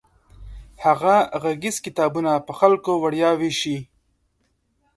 هغه غږیز کتابونه په خلکو وړیا ویشي.